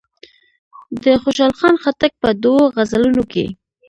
د خوشحال خان خټک په دوو غزلونو کې.